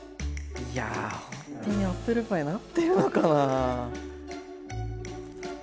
いやほんとにアップルパイになってるのかな？